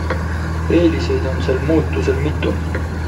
Eeliseid on sel muutusel mitu.